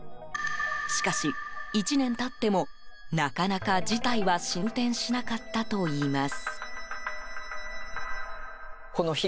しかし、１年経ってもなかなか事態は進展しなかったといいます。